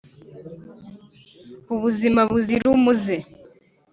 ubuzima buzire umuze".